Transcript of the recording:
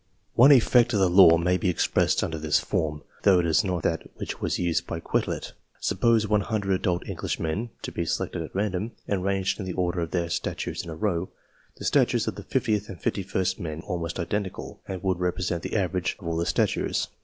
One effect of the law may be expressed under this form, though it is not that which was used by Quetelet. Suppose 100 adult Englishmen to be selected at random, and ranged in the order of their statures in a row ; the statures of the 50th and the 51st men would be almost identical, and would represent the average of all the xii PREFATORY CHAPTER statures.